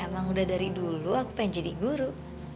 emang udah dari dulu aku pengen jadi guru